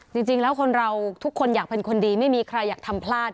จริงแล้วคนเราทุกคนอยากเป็นคนดีไม่มีใครอยากทำพลาด